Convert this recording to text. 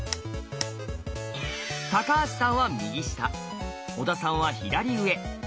橋さんは右下小田さんは左上。